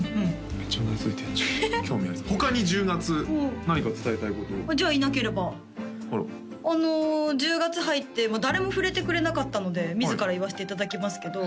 めっちゃうなずいてんじゃん興味ありそう他に１０月何か伝えたいことじゃあいなければあら１０月入って誰も触れてくれなかったので自ら言わしていただきますけど